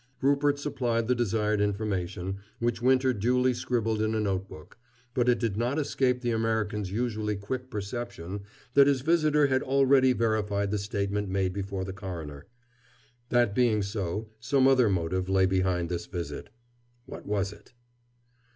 Rupert supplied the desired information, which Winter duly scribbled in a notebook, but it did not escape the American's usually quick perception that his visitor had already verified the statement made before the coroner. That being so, some other motive lay behind this visit. What was it?